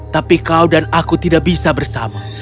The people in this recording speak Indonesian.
tapi kau dan aku tidak bisa bersama